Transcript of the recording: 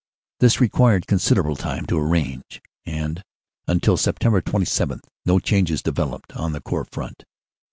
"This required considerable time to arrange, and until Sept. 27 no changes developed on the Corps front.